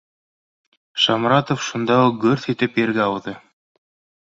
Шамратов шунда уҡ гөрҫ итеп ергә ауҙы